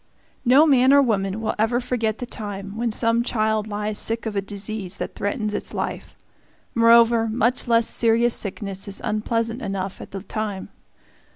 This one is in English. No man or woman will ever forget the time when some child lies sick of a disease that threatens its life. Moreover, much less serious sickness is unpleasant enough at the time.